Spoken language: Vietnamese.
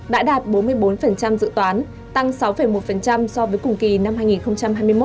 đã đạt bốn mươi bốn dự toán tăng sáu một so với cùng kỳ năm hai nghìn hai mươi một